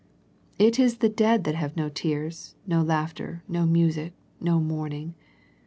It is the dead that have no tears, no laughter, no music, no mourning.